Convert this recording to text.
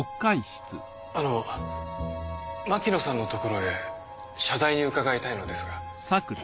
あの牧野さんのところへ謝罪に伺いたいのですが。